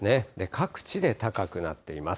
各地で高くなっています。